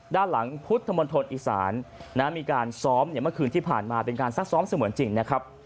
ด้านหลังพุทธมณฑลอีสานมีการซ้อมเมื่อคืนที่ผ่านมาเป็นการซักซ้อมเสมือนจริงนะครับ